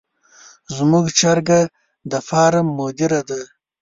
زموږ چرګه د فارم مدیره ده.